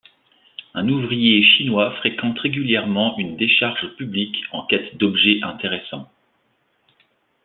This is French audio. Un ouvrier chinois fréquente régulièrement une décharge publique en quête d'objets intéressants.